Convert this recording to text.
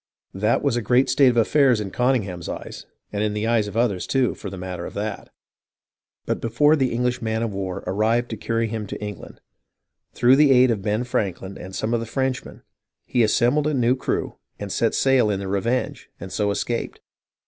That was a great state of affairs in Conyngham's eyes, and in the eyes of others, too, for the matter of that ; but before the English man of war arrived to carry him to England, through the aid of Ben Franklin and some of the Frenchmen, he assembled a new crew and set sail in the Revenge, and so escaped.